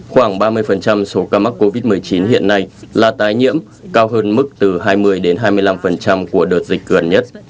khoảng ba mươi số ca mắc covid một mươi chín hiện nay là tái nhiễm cao hơn mức từ hai mươi đến hai mươi năm của đợt dịch gần nhất